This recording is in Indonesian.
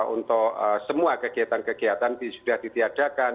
untuk semua kegiatan kegiatan sudah ditiadakan